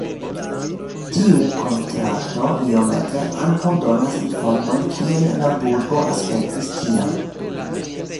Tiu kontrakto iomete ankaŭ donas informojn kiel la burgo aspektis tiam.